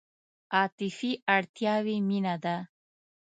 عاطفي اړتیاوې مینه ده.